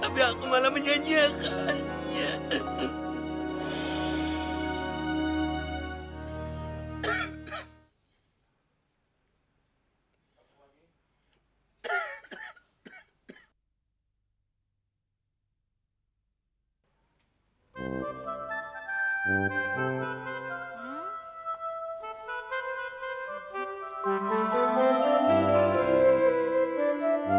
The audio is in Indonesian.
tapi aku malah menyanyiakannya